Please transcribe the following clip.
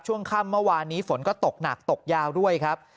ช่วงค่ำเมื่อวานนี้ฝนก็ตกหนักตกยาวด้วยครับ